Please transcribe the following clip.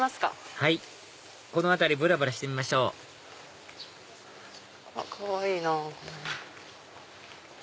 はいこの辺りぶらぶらしてみましょうかわいいな。